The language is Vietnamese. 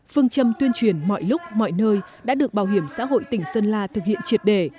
phương châm tuyên truyền mọi lúc mọi nơi đã được bảo hiểm xã hội tỉnh sơn la thực hiện triệt đề